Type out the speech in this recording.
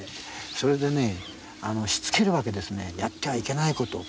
それでね、しつけるわけですねやってはいけないことを。